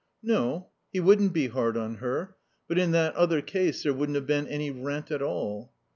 No. He wouldn't be hard on her. But in that other case there wouldn't have been any rent at all.